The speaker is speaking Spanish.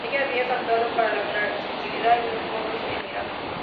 Ella había cantado para la caridad y los pobres en Irán.